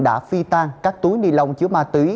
đã phi tan các túi nilon chứa ma tủy